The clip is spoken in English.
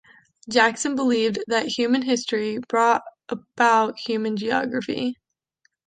Jackson believed that human history brought about human geography.